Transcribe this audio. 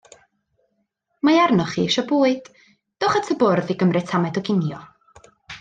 Mae arnoch chi eisio bwyd; dowch at y bwrdd i gymryd tamed o ginio.